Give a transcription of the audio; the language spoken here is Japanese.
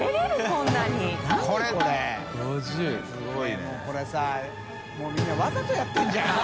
もうこれさもうみんなわざとやってるんじゃない？